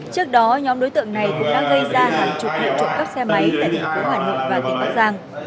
trước đó nhóm đối tượng này cũng đã gây ra hàng chục vụ trộm cắp xe máy tại thị trường hòa nội và thịnh bắc giang